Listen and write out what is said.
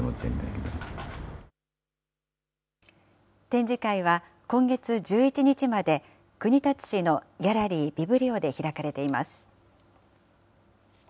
展示会は、今月１１日まで、国立市のギャラリービブリオで開かれています。